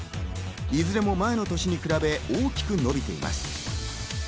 いずれも前の年に比べ、大きく伸びています。